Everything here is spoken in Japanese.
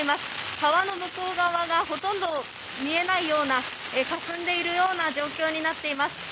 川の向こう側がほとんど見えないようなかすんでいるような状況になっています。